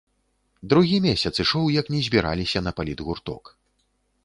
Другі месяц ішоў, як не збіраліся на палітгурток.